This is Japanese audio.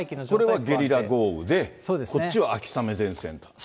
これはゲリラ豪雨で、こっちは秋雨前線。